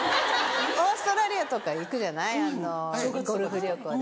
オーストラリアとか行くじゃないゴルフ旅行で。